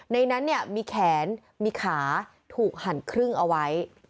ในนั้นเนี่ยมีแขนมีขาถูกหั่นครึ่งเอาไว้